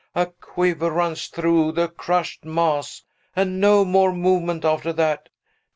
A quiver runs through the crushed mass; and no more movement after that!